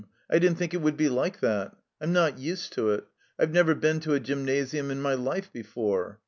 I didn't think it would be like that. I'm not used to it. I've never been to a Gymnasium in my life before."